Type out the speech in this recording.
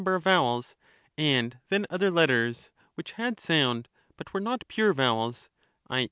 ber of vowels, and then other letters which had sound, but were not pure vowels (i.